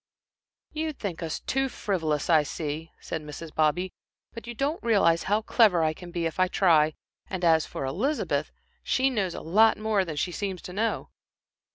"You think us too frivolous, I see," said Mrs. Bobby. "But you don't realize how clever I can be if I try, and as for Elizabeth, she knows a lot more than she seems to know."